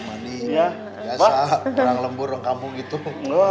manis tidak baik brother